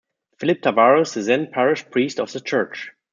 Philip Tavares the then parish priest of the Church.